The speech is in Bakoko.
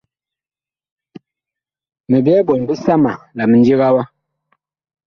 Mi byɛɛ ɓɔɔn bisama la mindiga wa.